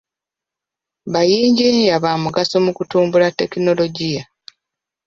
Bayinginiya ba mugaso mu kutumbula tekinologiya